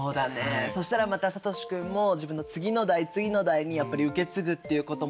そしたらまたさとし君も自分の次の代次の代にやっぱり受け継ぐっていうこともできるしね。